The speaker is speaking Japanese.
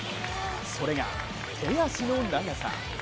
それが手足の長さ。